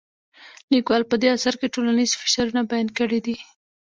لیکوال په دې اثر کې ټولنیز فشارونه بیان کړي دي.